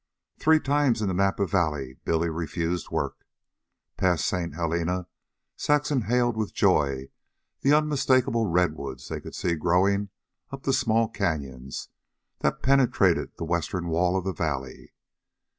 Three times in the Napa Valley Billy refused work. Past St. Helena, Saxon hailed with joy the unmistakable redwoods they could see growing up the small canyons that penetrated the western wall of the valley.